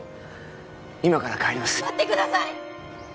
今から帰ります待ってください！